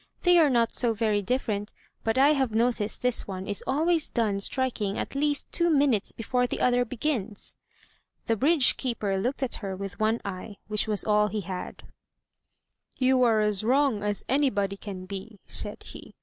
They are not so very differ ent, but I have noticed this one is always done striking at least two minutes before the other begins." The bridge keeper looked at her with one eye, which was all he had. a63 M Y BOOK HOUSE "You are as wrong as anybody can be," said he.